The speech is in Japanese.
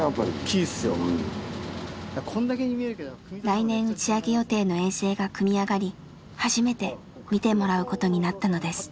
来年打ち上げ予定の衛星が組み上がり初めて見てもらうことになったのです。